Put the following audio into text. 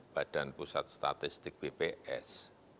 badan pusat statistik bps